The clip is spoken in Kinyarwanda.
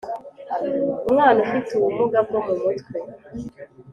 umwana ufite ubumuga bwo mu mutwe